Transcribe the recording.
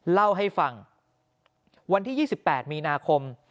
เล่าให้ฟังวันที่๒๘มีนาคม